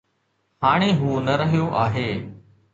هاڻي هو نه رهيو آهي.